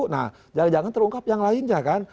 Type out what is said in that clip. nah jangan jangan terungkap yang lainnya kan